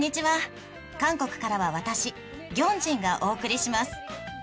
韓国からは私ギョンジンがお送りします。